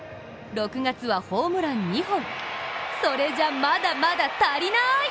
６月はホームラン２本それじゃ、まだまだ足りない！